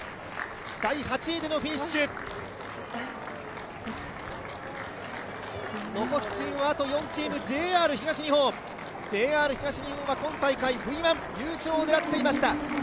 第８位でのフィニッシュ、残すチームは４チームＪＲ東日本は今大会Ｖ１、優勝を狙っていました。